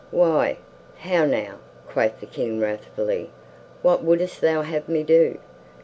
"Why, how now," quoth the King wrathfully. "What wouldst thou have me do?